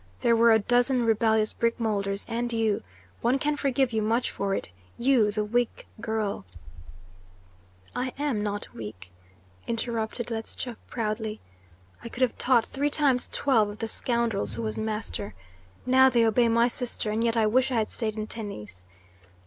There were a dozen rebellious brick moulders, and you one can forgive you much for it you, the weak girl " "I am not weak," interrupted Ledscha proudly. "I could have taught three times twelve of the scoundrels who was master. Now they obey my sister, and yet I wish I had stayed in Tennis.